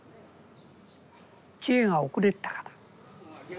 知恵が遅れてたから。